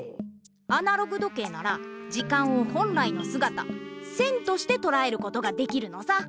アナログ時計なら時間を本来のすがた線としてとらえることができるのさ。